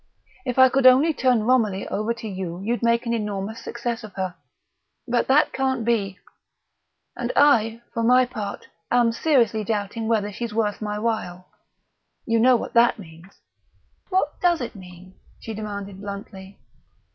If I could only turn Romilly over to you you'd make an enormous success of her. But that can't be, and I, for my part, am seriously doubting whether she's worth my while. You know what that means." "What does it mean?" she demanded bluntly.